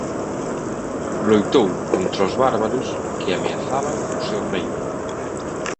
Loitou contra os bárbaros que ameazaban o seu reino.